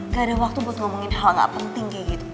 gak ada waktu buat ngomongin hal gak penting kayak gitu